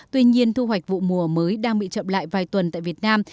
tuy nhiên thu hoạch vụ mùa mới đang bị chậm lại vài tuần tại việt nam